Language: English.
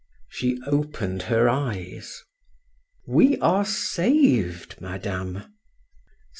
She opened her eyes. "We are saved, madame!"